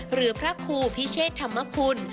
หรือพระครูพิเชษธรรมคุณ